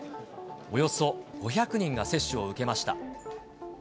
およそ５００人が接種を受けました。